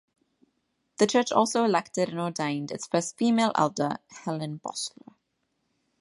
The church also elected and ordained its first female elder, Helen Bosler.